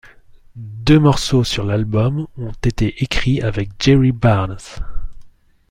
Deux morceaux sur l'album ont été écrits avec Jerry Barnes.